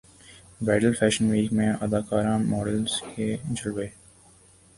bridal fashion week میں اداکاراں models کے جلوے